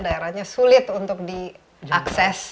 daerahnya sulit untuk diakses